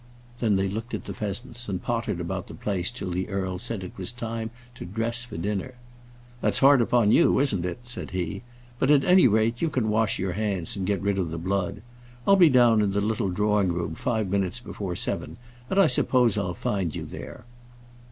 Then they looked at the pheasants, and pottered about the place till the earl said it was time to dress for dinner. "That's hard upon you, isn't it?" said he. "But, at any rate, you can wash your hands, and get rid of the blood. I'll be down in the little drawing room five minutes before seven, and I suppose I'll find you there."